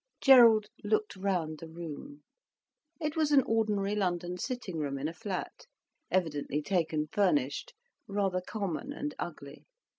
Gerald looked round the room. It was an ordinary London sitting room in a flat, evidently taken furnished, rather common and ugly.